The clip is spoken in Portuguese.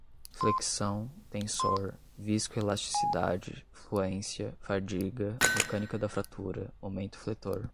flexão, tensor, viscoelasticidade, fluência, fadiga, mecânica da fratura, momento fletor